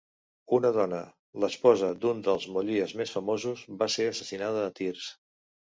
Una dona, l'esposa d'un dels Mollies més famosos, va ser assassinada a tirs.